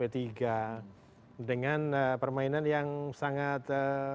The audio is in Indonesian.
permainan permainan yang sangat